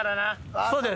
そうです！